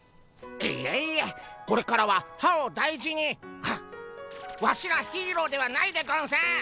いえいえこれからは歯を大事にあっワシらヒーローではないでゴンス。